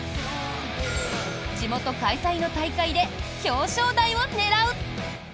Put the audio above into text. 地元開催の大会で表彰台を狙う！